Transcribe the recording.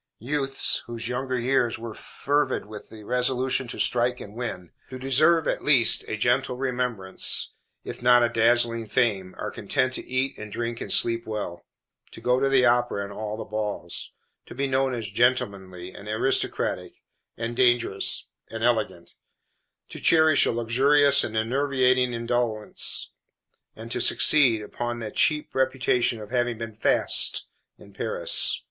Youths, whose younger years were fervid with the resolution to strike and win, to deserve, at least, a gentle remembrance, if not a dazzling fame, are content to eat, and drink, and sleep well; to go to the opera and all the balls; to be known as "gentlemanly," and "aristocratic," and "dangerous," and "elegant"; to cherish a luxurious and enervating indolence, and to "succeed," upon the cheap reputation of having been "fast" in Paris.